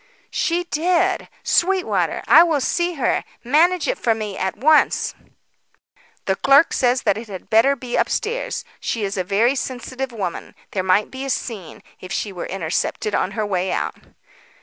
"She did! Sweetwater, I will see her. Manage it for me at once." "The clerk says that it had better be upstairs. She is a very sensitive woman. There might be a scene, if she were intercepted on her way out."